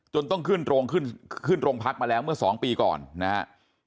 จนต้องขึ้นโรงพักมาแล้วเมื่อสองปีก่อนนะฮะ